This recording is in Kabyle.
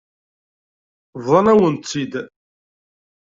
Bḍan-awen-tt-id.